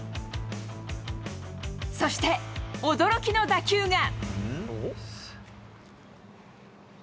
そして、驚きの打球が。